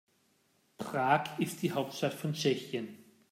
Prag ist die Hauptstadt von Tschechien.